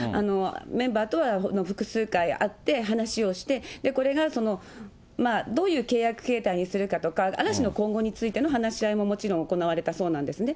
メンバーとは複数回会って、話をして、これがそのどういう契約形態にするかとか、嵐の今後についての話し合いももちろん行われたそうなんですね。